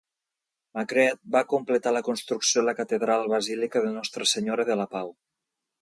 Maigret va completar la construcció de la catedral basílica de Nostra Senyora de La Pau.